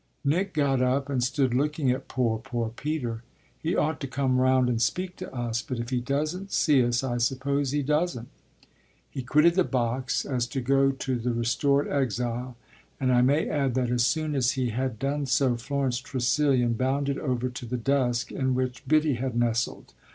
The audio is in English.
Nick got up and stood looking at poor, poor Peter. "He ought to come round and speak to us, but if he doesn't see us I suppose he doesn't." He quitted the box as to go to the restored exile, and I may add that as soon as he had done so Florence Tressilian bounded over to the dusk in which Biddy had nestled.